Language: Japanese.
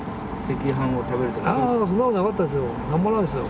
あそんなことなかったですよ。